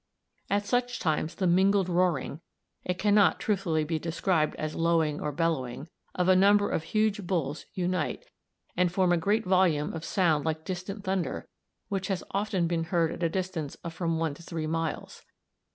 At such times the mingled roaring it can not truthfully be described as lowing or bellowing of a number of huge bulls unite and form a great volume of sound like distant thunder, which has often been heard at a distance of from 1 to 3 miles.